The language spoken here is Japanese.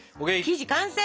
生地完成！